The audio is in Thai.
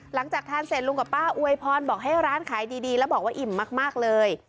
หลังจากทานเสร็จลุงกับป้าอวยพรบอกให้ร้านขายดีแล้วบอกว่าอิ่มมากเลย